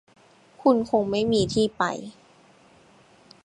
คุณคงไม่มีที่ไป